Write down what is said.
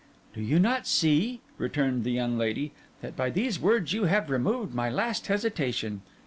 'Do you not see,' returned the young lady, 'that by these words you have removed my last hesitation?